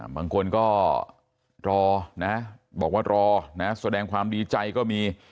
บางคนก็รอนะบอกว่ารอนะแสดงความดีใจก็มี